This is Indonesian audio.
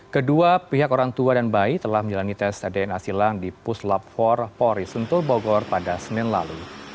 kedua pihak orang tua dan bayi telah menjalani tes dna silang di puslap empat pori sentul bogor pada senin lalu